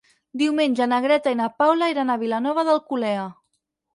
Diumenge na Greta i na Paula iran a Vilanova d'Alcolea.